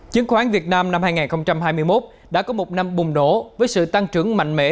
chiến khoán việt nam năm hai nghìn hai mươi một đã có một năm bùng đổ với sự tăng trưởng mạnh mẽ